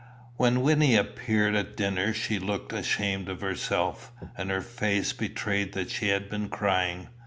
When Wynnie appeared at dinner she looked ashamed of herself, and her face betrayed that she had been crying.